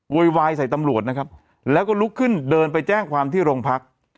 วายใส่ตำรวจนะครับแล้วก็ลุกขึ้นเดินไปแจ้งความที่โรงพัก